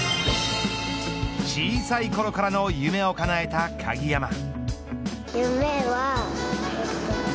小さいころからの夢をかなえた鍵山。